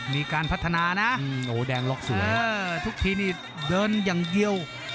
มีการพัฒนานะทุกทีนี้เดินอย่างเยี่ยว